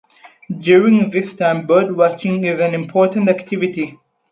During this time bird watching is an important activity.